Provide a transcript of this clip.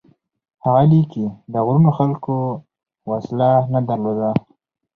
هغه لیکي: د غرونو خلکو وسله نه درلوده،